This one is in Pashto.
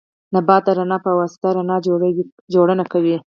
نبات د رڼا په واسطه رڼا جوړونه کوي